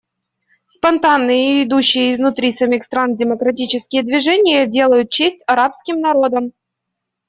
Спонтанные и идущие изнутри самих стран демократические движения делают честь арабским народам.